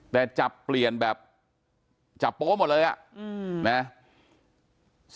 แต่จับเปลี่ยนแบบจับโปะหมดเลยอะอือแมมเจมส์